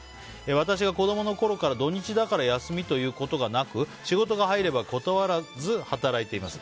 私が子供のころから土日だから休みということがなく仕事が入れば断らず働いています。